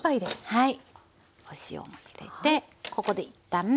はい。